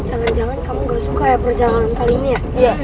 jangan jangan kamu gak suka ya perjalanan kali ini ya